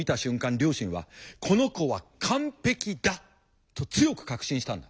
両親は「この子は完璧だ」と強く確信したんだ。